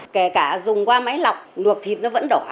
kể cả dùng qua máy lọc luộc thịt nó vẫn đỏ